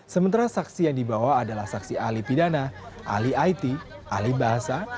sementara saksi yang dibawa adalah saksi ahli pidana ahli it ahli bahasa